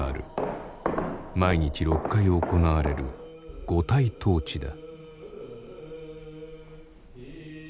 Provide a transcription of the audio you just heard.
毎日６回行われる五体投地だ。